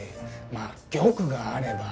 まあ玉があれば。